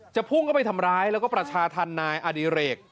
พุ่งเข้าไปทำร้ายแล้วก็ประชาธรรมนายอดิเรก